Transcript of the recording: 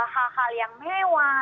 hal hal yang mewah